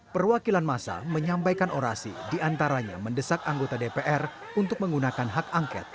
perwakilan masa menyampaikan orasi diantaranya mendesak anggota dpr untuk menggunakan hak angket